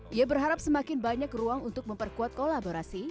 dia berharap semakin banyak ruang untuk memperkuat kolaborasi